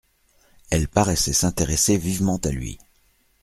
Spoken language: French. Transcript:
Elle paraissait s'intéresser vivement à lui.